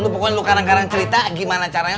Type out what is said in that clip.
pokoknya lo kadang kadang cerita gimana caranya